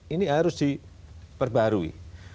ini harus diperbarui